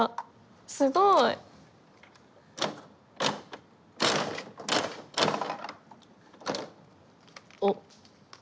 すごい。おっ。